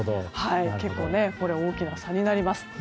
結構、大きな差になります。